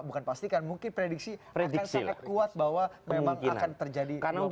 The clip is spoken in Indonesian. bukan pastikan mungkin prediksi akan sangat kuat bahwa memang akan terjadi perubahan